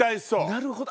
なるほど。